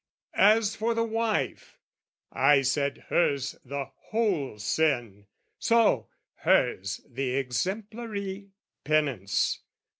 As for the wife, I said, hers the whole sin: So, hers the exemplary penance.